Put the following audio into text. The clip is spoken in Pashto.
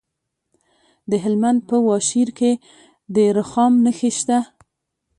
د هلمند په واشیر کې د رخام نښې شته.